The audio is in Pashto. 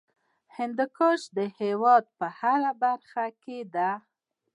هندوکش د هېواد په هره برخه کې دی.